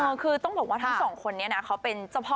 คือต้องบอกว่าทั้งสองคนนี้นะเขาเป็นเจ้าพ่อ